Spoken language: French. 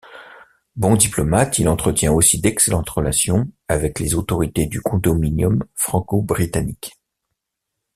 Bon diplomate, il entretient aussi d'excellentes relations avec les autorités du condominium franco-britannique.